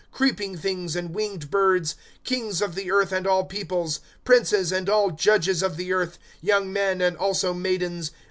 Creeping things, and winged birds ; Kings of the earth, and all peoples, Princes, and all judges of the earth ;■* Young men, and also maidens.